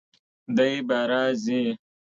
دی باره ځي!